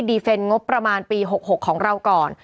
ดีเฟนต์งบประมาณปี๖๖ของเราก่อน